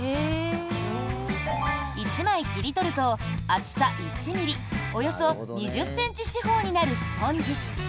１枚切り取ると、厚さ１ｍｍおよそ２０ｃｍ四方になるスポンジ。